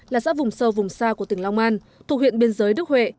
là xã vùng sâu vùng xa của tỉnh long an thuộc huyện biên giới đức huệ